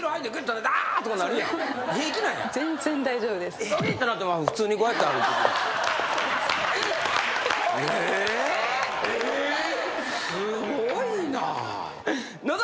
すごいな。